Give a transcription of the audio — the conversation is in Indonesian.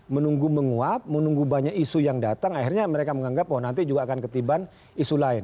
menunggu menguap menunggu banyak isu yang datang akhirnya mereka menganggap bahwa nanti juga akan ketiban isu lain